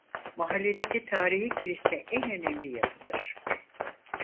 Mahalledeki tarihî kilise en önemli yapıdır.